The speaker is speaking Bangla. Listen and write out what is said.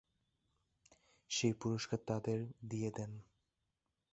সেই পুরস্কার তাঁদের দিয়ে দেন।